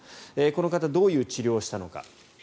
この方どういう治療をしたのか。